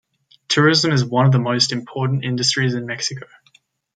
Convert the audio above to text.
Tourism is one of the most important industries in Mexico.